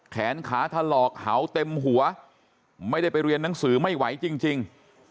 แขนขาถลอกเห่าเต็มหัวไม่ได้ไปเรียนหนังสือไม่ไหวจริง